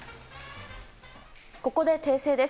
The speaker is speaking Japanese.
ここで訂正です。